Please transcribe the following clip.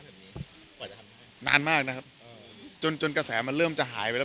แบบนี้กว่าจะทำนานมากนะครับเออจนจนกระแสมันเริ่มจะหายไปแล้ว